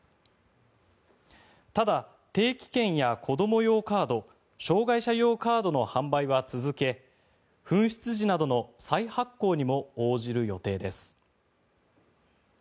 ただ、定期券や子ども用カード障害者用カードの販売は続け紛失時などの再発行にも応じる予定です。